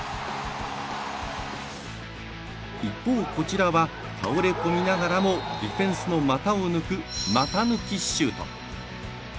一方、こちらは倒れ込みながらもディフェンスの股を抜く股抜きシュート。